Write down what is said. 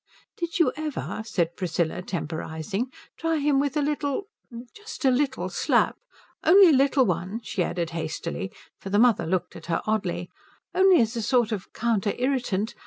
"Did you ever," said Priscilla, temporizing, "try him with a little just a little slap? Only a little one," she added hastily, for the mother looked at her oddly, "only as a sort of counter irritant.